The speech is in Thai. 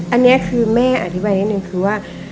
อันนี้คือแม่อธิบายนิดนึงคือว่า